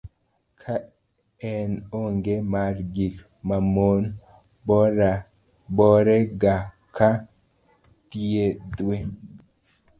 ok en onge mar gik mamon bore go ka dhiedwe